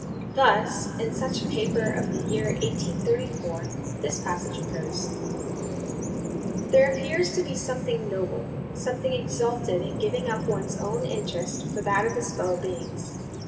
Thus, in such a paper of the year 1834, this passage occurs: "There appears to be something noble, something exalted, in giving up one's own interest for that of his fellow beings.